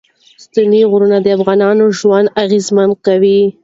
ستوني غرونه د افغانانو ژوند اغېزمن کوي.